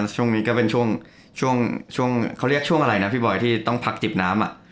ช่วงนี้ก็เป็นช่วงเขาเรียกช่วงอะไรนะพี่บอยที่ต้องพักจิบน้ำ